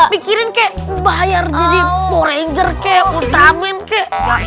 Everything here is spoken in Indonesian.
bikirin kayak bayar jadi power ranger kayak ultraman kayak